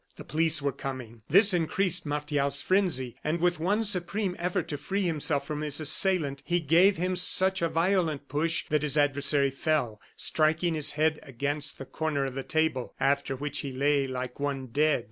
The police were coming! This increased Martial's frenzy; and with one supreme effort to free himself from his assailant, he gave him such a violent push that his adversary fell, striking his head against the corner of the table, after which he lay like one dead.